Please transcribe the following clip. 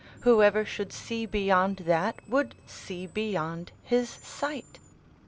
whoever should see beyond that, would see beyond his sight.